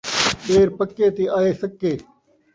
ٻیر پکے تے آئے سکے